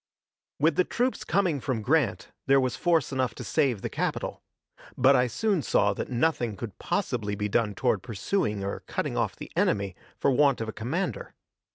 With the troops coming from Grant, there was force enough to save the capital; but I soon saw that nothing could possibly be done toward pursuing or cutting off the enemy for want of a commander.